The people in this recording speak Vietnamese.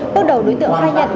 bước đầu đối tượng khai nhận